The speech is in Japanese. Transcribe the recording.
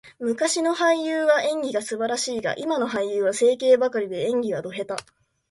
昔の俳優は演技が素晴らしいが、今の俳優は整形ばかりで、演技はド下手。